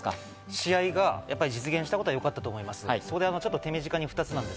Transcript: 試合が実現したことはよかったと思います、手短に２つ。